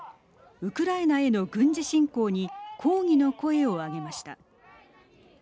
ウクライナへの軍事侵攻に抗議の声を上げました。